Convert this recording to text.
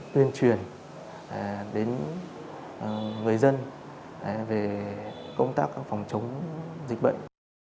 tuyên truyền đến người dân về công tác phòng chống dịch bệnh